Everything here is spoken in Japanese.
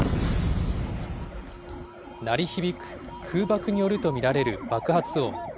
鳴り響く空爆によると見られる爆発音。